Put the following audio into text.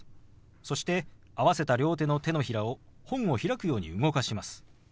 そして合わせた両手の手のひらを本を開くように動かします。